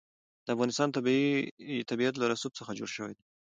د افغانستان طبیعت له رسوب څخه جوړ شوی دی.